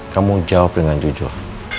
kamu jawab dengan jujur